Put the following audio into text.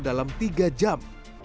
dalam tiga jam